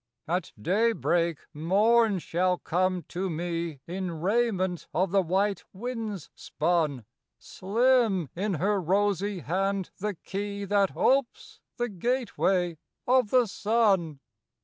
At daybreak Morn shall come to me In raiment of the white winds spun; Slim in her rosy hand the key That opes the gateway of the sun.